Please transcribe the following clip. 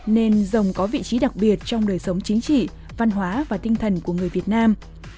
nên rồng có vị trí đặc biệt trong đời sống chính trị văn hóa và tinh thần của người việt nam